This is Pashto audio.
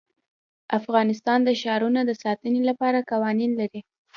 افغانستان د ښارونه د ساتنې لپاره قوانین لري.